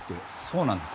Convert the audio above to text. そうなんです。